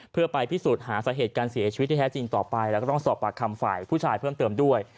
เพื่อไปพิสูจน์หาสาเหตุการเสียชีวิตที่แท้จริงต่อไปแล้วก็ต้องสอบปากคำฝ่ายผู้ชายเพิ่มเติมด้วย